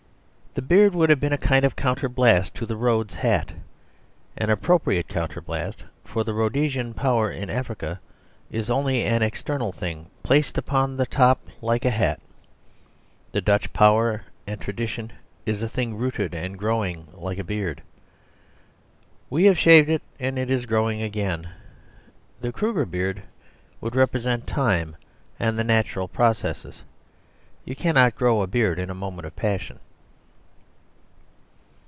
The beard would have been a kind of counterblast to the Rhodes hat. An appropriate counterblast; for the Rhodesian power in Africa is only an external thing, placed upon the top like a hat; the Dutch power and tradition is a thing rooted and growing like a beard; we have shaved it, and it is growing again. The Kruger beard would represent time and the natural processes. You cannot grow a beard in a moment of passion.